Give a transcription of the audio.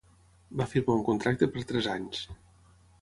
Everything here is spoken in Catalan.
Va firmar un contracte per tres anys.